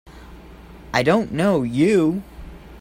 I don't know you!